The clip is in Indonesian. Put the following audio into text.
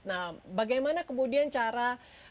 nah bagaimana kemudian cara